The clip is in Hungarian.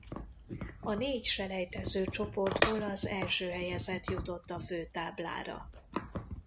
A négy selejtezőcsoportból az első helyezett jutott a főtáblára.